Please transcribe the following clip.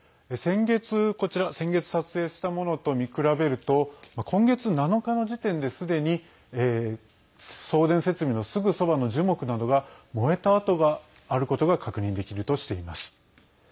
こちら、先月撮影したものと見比べると今月７日の時点ですでに送電設備のすぐそばの樹木などが燃えた跡があることが確認できるとしています。